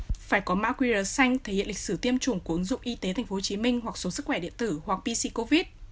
phải có mã qr xanh thể hiện lịch sử tiêm chủng của ứng dụng y tế tp hcm hoặc số sức khỏe điện tử hoặc pc covid